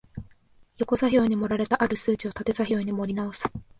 横座標に盛られた或る数値を縦座標に盛り直す